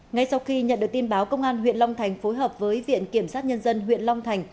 ngay sau khi nhận được tin báo công an huyện long thành phối hợp với viện kiểm sát nhân dân huyện long thành